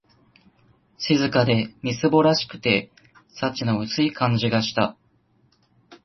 静かで、みすぼらしくて、幸の薄い感じがした